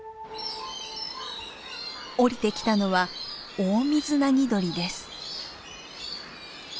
下りてきたのはオオミズナギドリです。